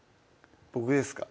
僕ですか？